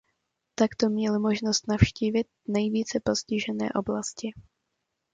Takto měli možnost navštívit nejvíce postižené oblasti.